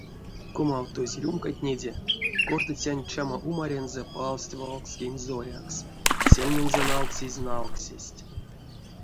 Комавтозь рюмкатнеде кортыцянть чамаумарензэ палсть валскень зорякс, сельмензэ налксезь налксесть.